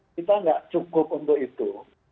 kita nggak cukup untuk itu